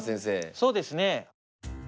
そうですね。